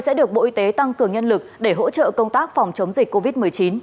sẽ được bộ y tế tăng cường nhân lực để hỗ trợ công tác phòng chống dịch covid một mươi chín